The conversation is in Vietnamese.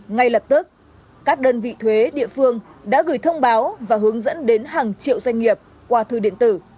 ngay lập tức các đơn vị thuế địa phương đã gửi thông báo và hướng dẫn đến hàng triệu doanh nghiệp qua thư điện tử